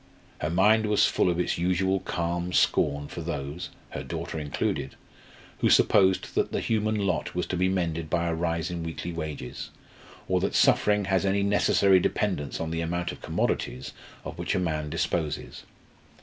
Her mind was full of its usual calm scorn for those her daughter included who supposed that the human lot was to be mended by a rise in weekly wages, or that suffering has any necessary dependence on the amount of commodities of which a man disposes.